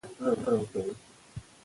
هغه وطن مي راته تنور دی